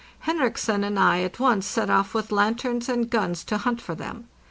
Henriksen and [I at once set off with lanterns and guns to hunt for them.